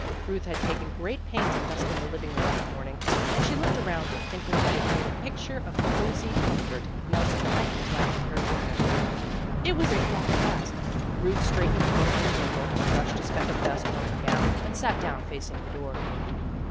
Euth had taken great pains in dusting the living room that morning, and she looked around it thinking that it made a picture of cosy com fort Nelson might be glad to carry with him. It was eight o'clock at last. Euth straight ened a book on the table, brushed a speck of dust from her gown, and sat down facing the door.